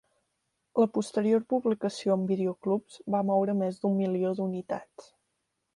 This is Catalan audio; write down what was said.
La posterior publicació en videoclubs va moure més d'un milió d'unitats.